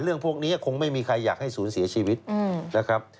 พวกนี้คงไม่มีใครอยากให้ศูนย์เสียชีวิตนะครับ